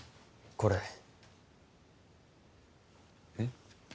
これえっ？